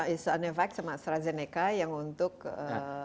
isonevac sama astrazeneca yang untuk lansia